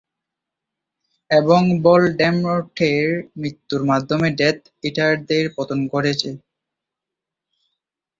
এবং ভলডেমর্টের মৃত্যুর মাধ্যমে ডেথ ইটারদের পতন ঘটে।